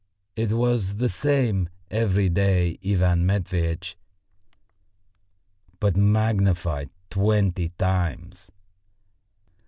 It was the same, everyday Ivan Matveitch, but magnified twenty times.